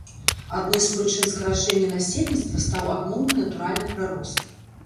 Адной з прычын скарачэння насельніцтва стаў адмоўны натуральны прырост.